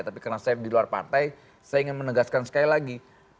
tapi karena saya di luar partai saya ingin menegaskan sekali lagi